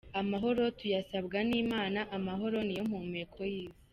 Amahoro tuyasabwa n’Imana, amahoro niyo mpumeko y’isi.